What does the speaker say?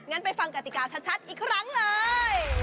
ไปฟังกติกาชัดอีกครั้งเลย